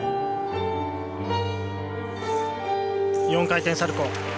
４回転サルコー。